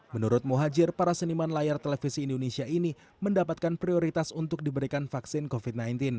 menurut muhajir para seniman layar televisi indonesia ini mendapatkan prioritas untuk diberikan vaksin covid sembilan belas